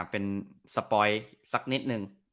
เป็นสปอยสักนิดนึง